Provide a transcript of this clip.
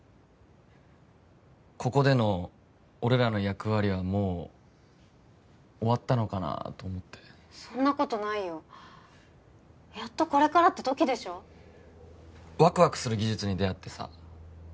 ここでの俺らの役割はもう終わったのかなと思ってそんなことないよやっとこれからって時でしょワクワクする技術に出会ってさ